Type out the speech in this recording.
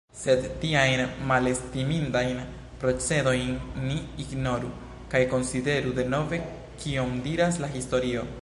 Sed tiajn malestimindajn procedojn ni ignoru kaj konsideru denove, kion diras la historio.